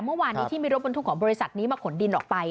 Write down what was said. เมื่อวานนี้ที่มีรถบรรทุกของบริษัทนี้มาขนดินออกไป